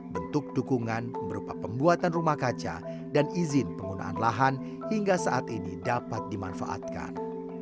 bentuk dukungan berupa pembuatan rumah kaca dan izin penggunaan lahan hingga saat ini dapat dimanfaatkan